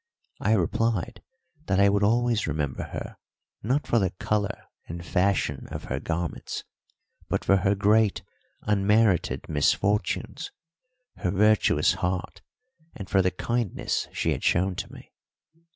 I replied that I would always remember her not for the colour and fashion of her garments, but for her great, unmerited misfortunes, her virtuous heart, and for the kindness she had shown to me.